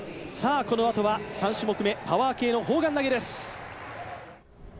このあとは３種目め、パワー系の砲丸投です。